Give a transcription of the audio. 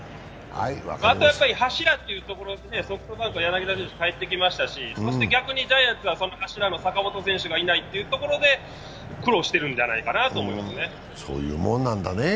あと、柱というところでソフトバンクは柳田が帰ってきましたし、そして逆に、ジャイアンツは柱の坂本選手がいないというところで苦労しているんじゃないかと思いますね。